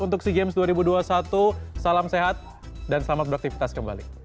untuk sea games dua ribu dua puluh satu salam sehat dan selamat beraktivitas kembali